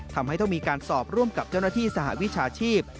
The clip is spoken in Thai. ทำให้ต้องมีการสอบร่วมกับเจ้าหน้าที่สหวิชาชีพ